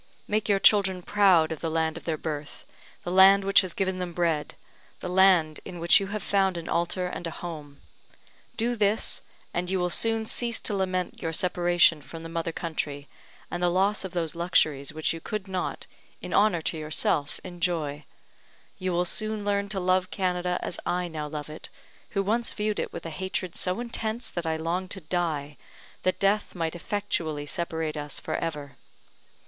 Make your children proud of the land of their birth, the land which has given them bread the land in which you have found an altar and a home; do this, and you will soon cease to lament your separation from the mother country, and the loss of those luxuries which you could not, in honor to yourself, enjoy; you will soon learn to love Canada as I now love it, who once viewed it with a hatred so intense that I longed to die, that death might effectually separate us for ever.